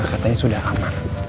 katanya sudah aman